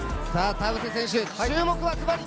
田臥選手、注目はズバリ？